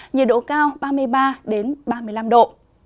nhiệt độ cao ba mươi ba ba mươi năm độ